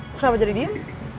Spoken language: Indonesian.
kenapa jadi diem